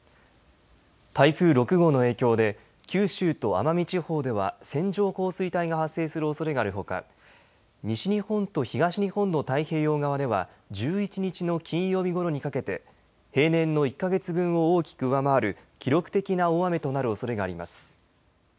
台風６号の影響で九州と奄美地方では線状降水帯が発生するおそれがあるほか西日本と東日本の太平洋側では１１日の金曜日ごろにかけて平年の１か月分を大きく上回る記録的な大雨となるおそれがあります。